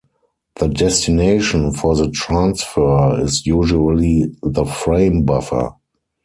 The destination for the transfer is usually the frame buffer.